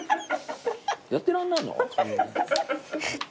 やってらんないの？